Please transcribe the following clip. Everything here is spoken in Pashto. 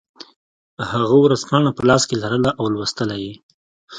هغه ورځپاڼه په لاس کې لرله او لوستله یې